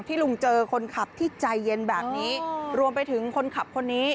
ลุงเจอคนขับที่ใจเย็นแบบนี้รวมไปถึงคนขับคนนี้